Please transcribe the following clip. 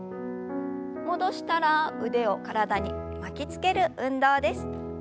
戻したら腕を体に巻きつける運動です。